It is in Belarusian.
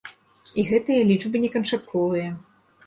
І гэтыя лічбы не канчатковыя.